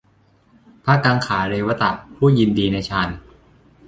พระกังขาเรวตะ ผู้ยินดีในฌาน